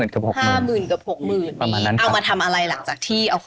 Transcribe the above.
โทรศัพท์มอเทอ